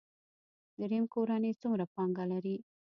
دریم کورنۍ څومره پانګه لري.